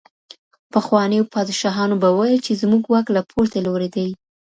پخوانيو پادشاهانو به ويل چي زموږ واک له پورته لوري دی.